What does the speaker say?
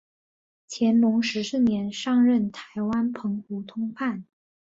乾隆十四年上任台湾澎湖通判。